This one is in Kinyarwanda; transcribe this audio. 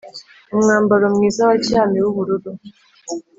Umwambaro mwiza wa cyami w ubururu